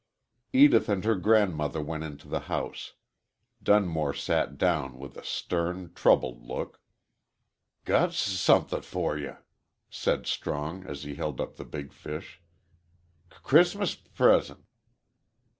Edith and her grandmother went into the house. Dunmore sat down with a stem, troubled look. "Got s suthin' fer you," said Strong as he held up the big fish. "C'ris'mus p present!"